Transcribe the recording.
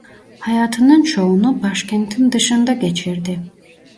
Hayatının çoğunu başkentin dışında geçirdi.